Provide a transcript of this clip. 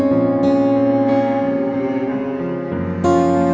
aku mau ke sana